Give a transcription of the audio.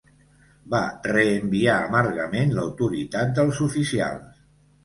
Va reenviar amargament l'autoritat dels oficials.